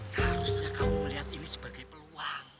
seharusnya kamu melihat ini sebagai peluang